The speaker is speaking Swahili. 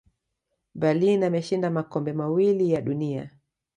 berlin ameshinda makombe mawili ya dunia